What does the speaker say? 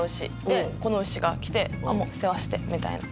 でこの牛が来て「世話して」みたいな。